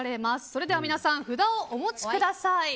それでは皆さん札をお持ちください。